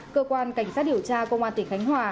cơ quan cảnh sát điều tra công an tỉnh khánh hòa